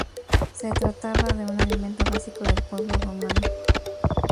Se trataba de un alimento básico del pueblo romano.